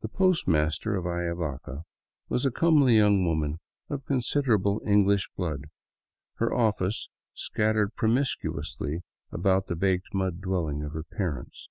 The post master of Ayavaca was a comely young woman of con siderable Indian blood, her office scattered promiscuously about the baked mud dwelling of her parents.